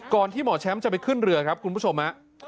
ที่หมอแชมป์จะไปขึ้นเรือครับคุณผู้ชมฮะ